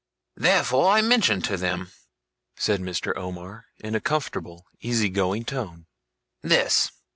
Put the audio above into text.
'Therefore, I mentioned to them,' said Mr. Omer, in a comfortable, easy going tone, 'this.